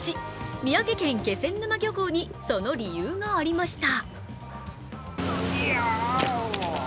宮城県気仙沼漁港にその理由がありました。